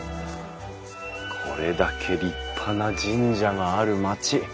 これだけ立派な神社がある町。